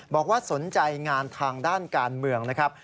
บอกว่าสนใจงานทางด้านการเมืองนะครับ